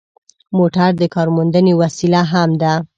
موټر د کارموندنې وسیله هم ده.